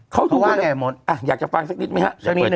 เขาดูคนอ่ะอยากจะฟังสักนิดมั้ยฮะ